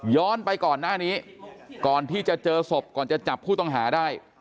ไปก่อนหน้านี้ก่อนที่จะเจอศพก่อนจะจับผู้ต้องหาได้